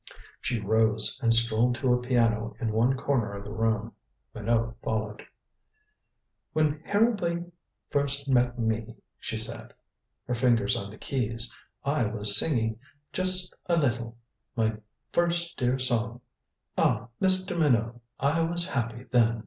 She rose and strolled to a piano in one corner of the room. Minot followed. "When Harrowby first met me," she said, her fingers on the keys, "I was singing Just a Little. My first dear song ah, Mr. Minot, I was happy then."